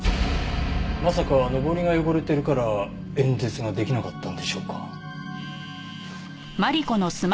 まさかのぼりが汚れてるから演説ができなかったんでしょうか？